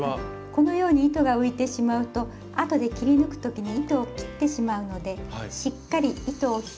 このように糸が浮いてしまうと後で切り抜く時に糸を切ってしまうのでしっかり糸を引いておきましょう。